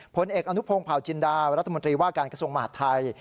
ผลเอกอนุพงศ์เผาจินดารัฐมนตรีว่าการกระทรวงมหาดไทย